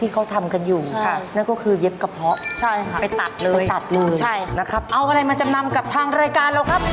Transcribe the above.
กระเป๋าที่ผัวซื้อให้ค่ะ